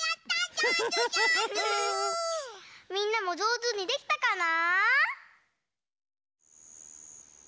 みんなもじょうずにできたかな？